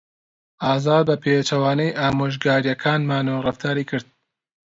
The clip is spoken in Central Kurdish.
ئازاد بەپێچەوانەی ئامۆژگارییەکانمانەوە ڕەفتاری کرد.